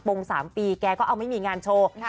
โปรวิต๓ปรง๓ปีแกก็เอาไม่มีงานโชว์